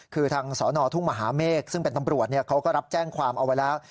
คือทางสนทุ่งมหาเมฆซึ่งเป็นตำรวจเขาก็รับแจ้งความเอาไว้แล้ว